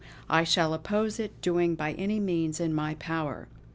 I shall oppose its doing by any means in my power!"